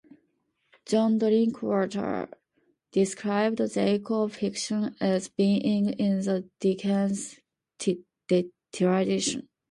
John Drinkwater described Jacobs' fiction as being "in the Dickens tradition".